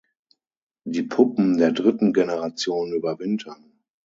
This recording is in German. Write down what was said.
Die Puppen der dritten Generation überwintern.